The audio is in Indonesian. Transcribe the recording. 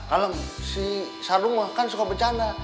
alam si sardung kan suka becanda